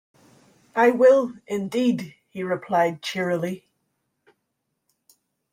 "I will, indeed," he replied cheerily.